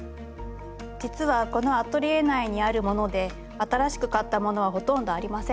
実はこのアトリエ内にあるもので新しく買ったものはほとんどありません。